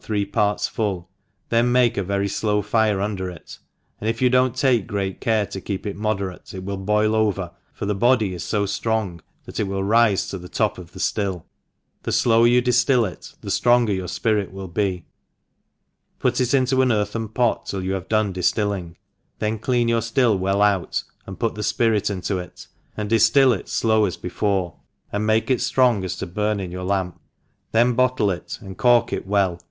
369 three parts full, then make a very flow fire un der, and if you do not take great care to«keep it moderate, it will boil over, for the body is fo ftrong, that it will rife to the top of the ftill * the flower you difliU it the l^rooger your fpirit will be, put it into an earthen pot till you have done diftilling, then clean your ftill well out, and put the fpirit into it, and difl:ill it flow as before, and make it as ftrong as to burn in your lamp, th«» battle it, and corik it well